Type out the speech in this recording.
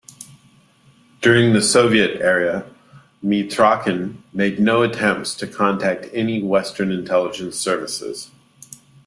During the Soviet era, Mitrokhin made no attempts to contact any western intelligence services.